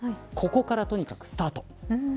ここからとにかくスタートです。